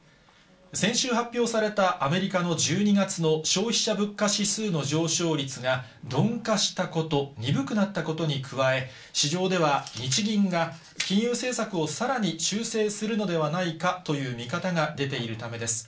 先週発表されたアメリカの１２月の消費者物価指数の上昇率が鈍化したこと、鈍くなったことに加え、市場では日銀が金融政策をさらに修正するのではないかという見方が出ているためです。